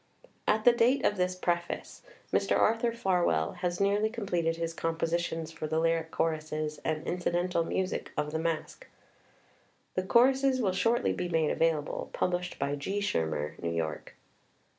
" At the date of this preface, Mr. Arthur Farwell has near ly completed his compositions for the lyric choruses and incidental music of the Masque. The choruses will shortly be made available, published by G. Schirmer, New York.